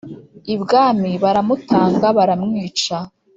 ibwami baramutanga baramwica